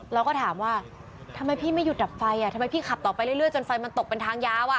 เราก็ถามว่าทำไมพี่ไม่หยุดดับไฟทำไมพี่ขับต่อไปเรื่อยจนไฟมันตกเป็นทางยาวอ่ะ